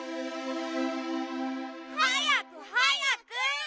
はやくはやく！